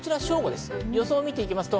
予想を見ていきますと